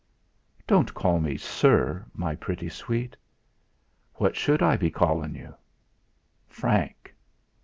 "Don't call me 'sir,' my pretty sweet." "What should I be callin' you?" "Frank."